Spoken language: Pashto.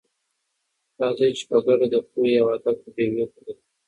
راځئ چې په ګډه د پوهې او ادب ډېوې بلې کړو.